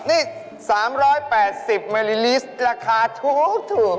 นี่๓๘๐บิลลิตรราคาถูก